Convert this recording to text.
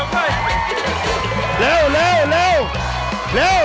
ไปแล้ว